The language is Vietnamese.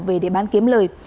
về để bán kiếm lời